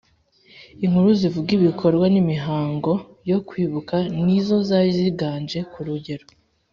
Inkuru zivuga ibikorwa n imihango yo kwibuka ni zo zari ziganje ku rugero